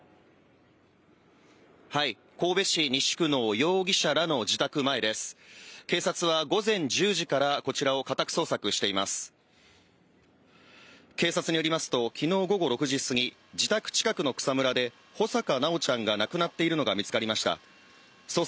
神戸市西区の容疑者らの自宅前です。